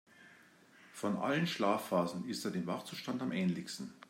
Von allen Schlafphasen ist er dem Wachzustand am ähnlichsten.